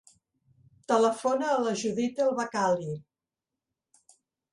Telefona a la Judith El Bakkali.